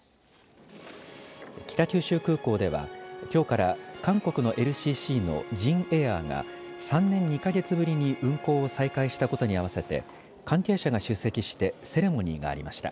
北九州空港ではきょうから韓国のＬＣＣのジンエアーが３年２か月ぶりに運航を再開したことに合わせて関係者が出席してセレモニーがありました。